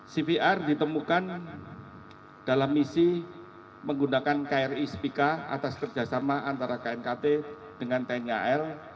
cvr ditemukan dalam misi menggunakan kri spika atas kerjasama antara knkt dengan tni al